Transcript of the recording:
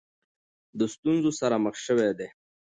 د ستونزو سره مخ شوې دي.